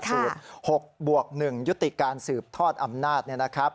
๖บวก๑ยุติการสืบทอดอำนาจ